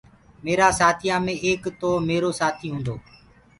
ميرآ سآٿيآ مي ايڪ تو ميرو سآٿيٚ هونٚدو